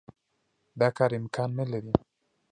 دا کار امکان نه لري.